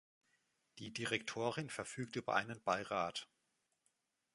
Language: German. Die Direktorin verfügt über einen Beirat.